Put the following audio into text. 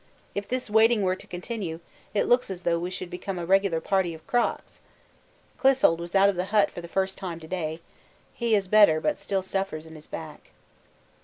If this waiting were to continue it looks as though we should become a regular party of 'crocks.' Clissold was out of the hut for the first time to day; he is better but still suffers in his back.